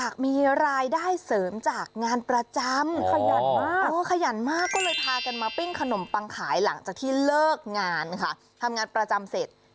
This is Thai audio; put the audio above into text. ขายหลังจากที่เลิกงานค่ะทำงานประจำเสร็จ